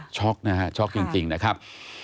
ช็อกนะฮะช็อกจริงนะครับ